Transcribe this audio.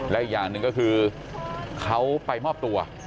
และอีกอย่างหนึ่งก็คือเขาไปมอบตัว